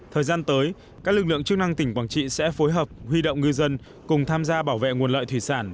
thời gian tới các lực lượng chức năng tỉnh quảng trị sẽ phối hợp huy động ngư dân cùng tham gia bảo vệ nguồn lợi thủy sản